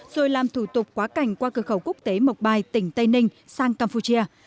rồi làm thủ tục quá cảnh qua cửa khẩu quốc tế mộc bài tỉnh tây ninh sang campuchia